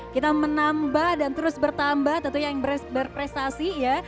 kita menambah dan terus bertambah tentunya yang berprestasi ya